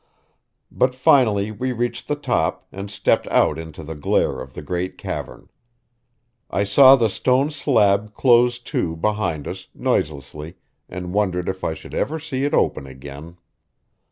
But finally we reached the top and stepped out into the glare of the great cavern. I saw the stone slab close to behind us, noiselessly, and wondered if I should ever see it open again.